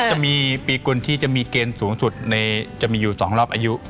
จะมีปีกุลที่จะมีเกณฑ์สูงสุดจะมีอยู่๒รอบอายุ